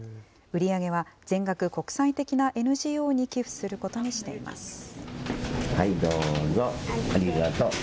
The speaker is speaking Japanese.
売り上げは全額、国際的なＮＧＯに寄付することにしています。